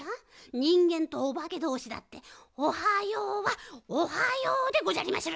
にんげんとおばけどうしだって「おはよう」は「おはよう」でごじゃりまする。